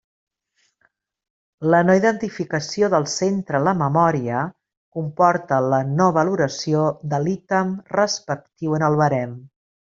La no-identificació del centre en la memòria comporta la no-valoració de l'ítem respectiu en el barem.